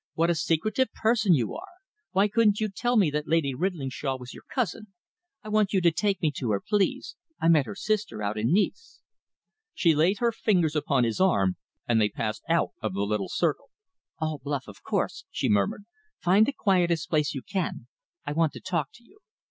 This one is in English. "What a secretive person you are! Why couldn't you tell me that Lady Ridlingshawe was your cousin? I want you to take me to her, please, I met her sister out in Nice." She laid her fingers upon his arm, and they passed out of the little circle. "All bluff, of course," she murmured. "Find the quietest place you can. I want to talk to you."